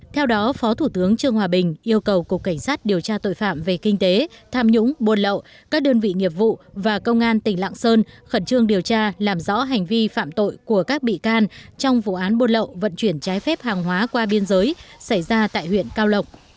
theo đó phó thủ tướng trương hòa bình yêu cầu cục cảnh sát điều tra tội phạm về kinh tế tham nhũng buôn lậu các đơn vị nghiệp vụ và công an tỉnh lạng sơn khẩn trương điều tra làm rõ hành vi phạm tội của các bị can trong vụ án buôn lậu vận chuyển trái phép hàng hóa qua biên giới xảy ra tại huyện cao lộc